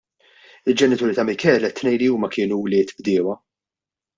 Il-ġenituri ta' Michele t-tnejn li huma kienu wlied bdiewa.